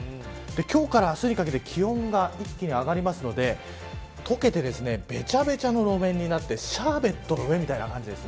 今日から明日にかけて気温が一気に上がりますので溶けてべちゃべちゃの路面になってシャーベットの上みたいな感じです。